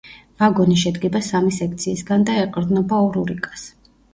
ვაგონი შედგება სამი სექციისგან და ეყრდნობა ორ ურიკას.